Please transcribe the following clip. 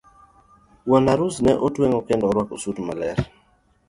Wuon arus ne otwero kendo orwako sut maler.